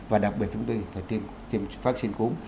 và đặc biệt chúng tôi phải tìm vaccine cúm